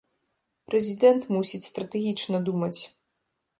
Прэзідэнт мусіць стратэгічна думаць.